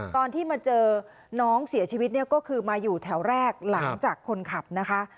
ตอนที่มาเจอน้องเสียชีวิตเนี่ยก็คือมาอยู่แถวแรกหลังจากคนขับนะคะ